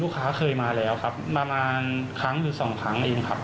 ค้าเคยมาแล้วครับประมาณครั้งหรือสองครั้งเองครับ